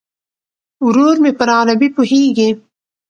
ورور مې پر عربي پوهیږي.